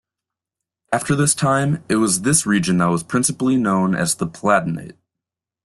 After this time, it was this region that was principally known as the Palatinate.